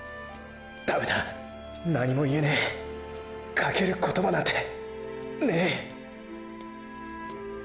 ダメだ何も言えねェかける言葉なんてねェ